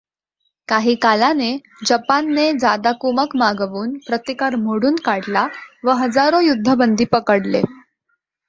काही कालाने जपानने जादा कुमक मागवुन प्रतिकार मोडुन काढला व हजारो युद्धबंदी पकडले.